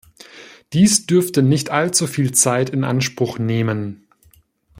Dies dürfte nicht allzu viel Zeit in Anspruch nehmen.